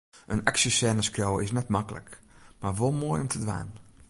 In aksjesêne skriuwe is net maklik, mar wol moai om te dwaan.